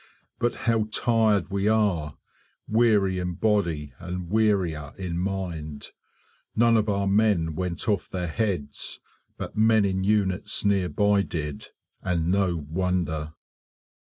But how tired we are! Weary in body and wearier in mind. None of our men went off their heads but men in units nearby did and no wonder.